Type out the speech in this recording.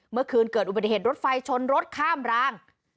เมื่อคืนเกิดอุบัติเหตุรถไฟชนรถข้ามราง